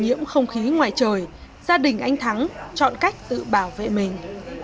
nhiễm không khí ngoài trời gia đình anh thắng chọn cách tự bảo vệ mình